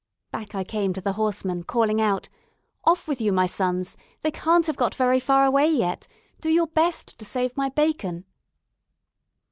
Back I came to the horsemen, calling out "Off with you, my sons! they can't have got very far away yet. Do your best to save my bacon!"